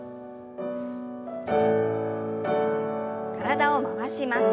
体を回します。